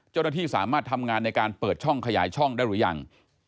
เจ้าหน้าที่สามารถทำงานในการเปิดช่องขยายช่องได้หรือยัง